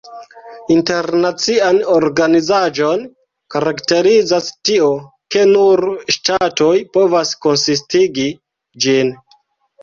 Internacian organizaĵon karakterizas tio, ke "nur ŝtatoj povas konsistigi ĝin".